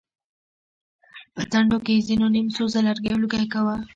په څنډو کې يې ځېنو نيم سوزه لرګيو لوګی کوه.